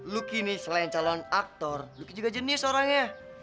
lucky nih selain calon aktor lucky juga jenius orangnya